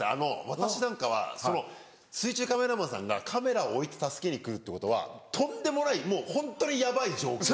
私なんかは水中カメラマンさんがカメラを置いて助けに来るってことはとんでもないもうホントにヤバい状況。